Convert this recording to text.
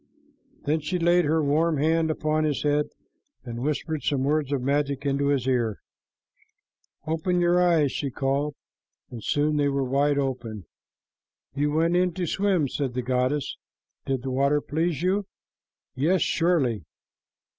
Then she laid her warm hand upon his head, and whispered some words of magic into his ear. "Open your eyes," she called, and soon they were wide open. "You went in to swim," said the goddess. "Did the water please you?" "Yes, surely."